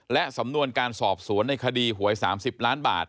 และสำนวนการสอบสวนในคดีหวย๓๐ล้านบาท